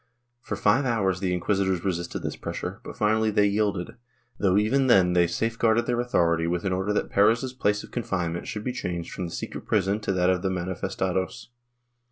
For five hours the inquisitors resisted this pressure, but finally they yielded, though even then they safeguarded their authority with an order that Perez's place of confinement should be changed from the secret prison to that of the manifestados.